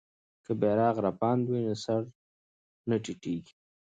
که بیرغ رپاند وي نو سر نه ټیټیږي.